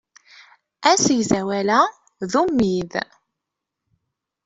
Asegzawal-a d ummid.